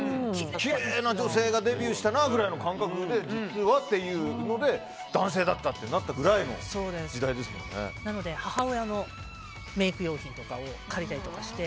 きれいな女性がデビューしたなぐらいの感覚で実は、っていうので男性だったってなったぐらいの母親のメイク用品なんかを借りたりして。